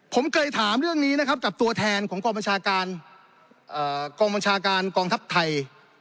ผมเคยถามเรื่องนี้นะครับตัวแทนของกองบรรชาการกองทัพไทย